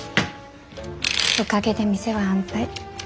おかげで店は安泰。